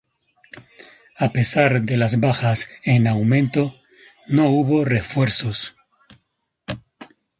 A pesar de las bajas en aumento, no hubo refuerzos.